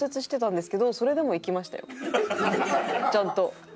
ちゃんと。